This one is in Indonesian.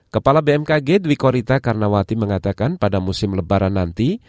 kepala bmkg dwi korita karnawati mengatakan pada musim lebaran nanti